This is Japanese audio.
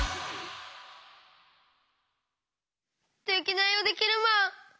デキナイヲデキルマン！